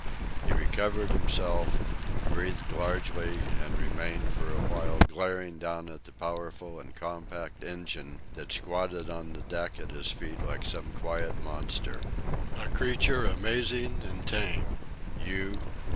He recovered himself, breathed largely, and remained for a while glaring down at the powerful and compact engine that squatted on the deck at his feet like some quiet monster a creature amazing and tame. "You...